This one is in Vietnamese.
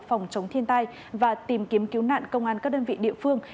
phòng chống thiên tai và tìm kiếm cứu nạn công an các đơn vị địa phương